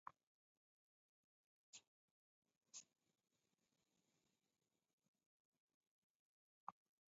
Dasilwa ni kukaia kimusi